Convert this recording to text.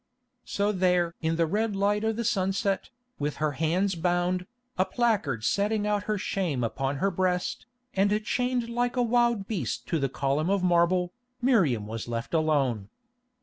So there in the red light of the sunset, with her hands bound, a placard setting out her shame upon her breast, and chained like a wild beast to the column of marble, Miriam was left alone.